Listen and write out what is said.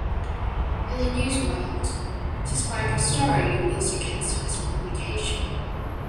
In the news world, to "spike" a story means to cancel its publication.